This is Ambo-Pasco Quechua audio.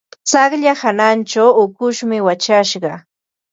Tsaqlla hanachaw ukushmi wachashqa.